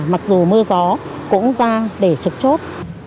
mặc dù mưa gió cũng ra để trực chốt